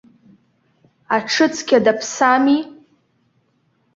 Аҽыцқьа даԥсами!